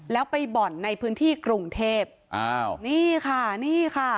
แล้วไปบ่อนในพื้นที่กรุงเทพอ้าวนี่ค่ะนี่ค่ะ